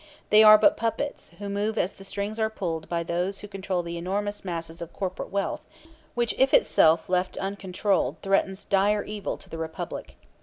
They are but puppets who move as the strings are pulled by those who control the enormous masses of corporate wealth which if itself left uncontrolled threatens dire evil to the Republic.